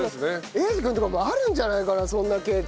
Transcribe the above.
英二君とかもあるんじゃないかなそんな経験。